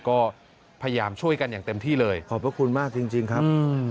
ก็พยายามช่วยกันอย่างเต็มที่เลยขอบพระคุณมากจริงครับ